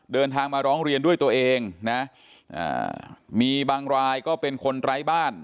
เดินทางมาร้องเรียนด้วยตัวเองนะมีบางรายก็เป็นคนไร้บ้าน